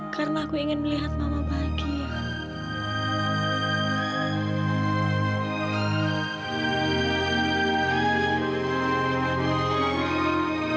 karena aku ingin melihat mama bahagia